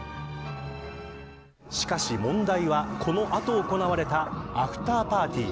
しかし問題はこの後行われたアフターパーティー。